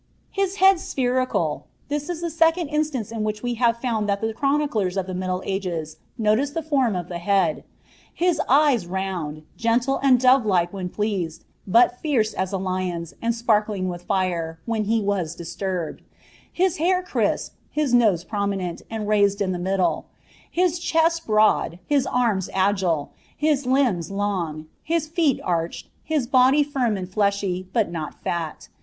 " His head spherical ; (this is the serond instance in which w»hl« found that the chroniclers of the middle ogea notice (be funn of ite head ;) his eyes ronnd, gentle and dnve like when plettsed. bat fiorn H n lion's, and sparkling with fire, when h« was distatbed ; his hsir mf, his nose prominent, and rebed in the middle ; his chest brrwd, luf uat agiie, his limbs long, hie feet arched, his body firm and fleahy, boi m» I'al.